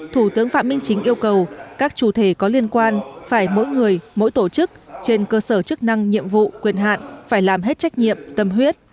thủ tướng phạm minh chính yêu cầu các chủ thể có liên quan phải mỗi người mỗi tổ chức trên cơ sở chức năng nhiệm vụ quyền hạn phải làm hết trách nhiệm tâm huyết